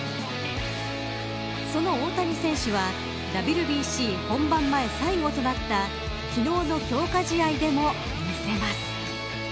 その大谷選手はＷＢＣ本番前最後となった昨日の強化試合でも見せます。